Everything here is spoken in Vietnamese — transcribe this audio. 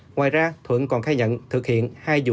ngoài ra thuận còn khai nhận thực hiện hai dụ cướp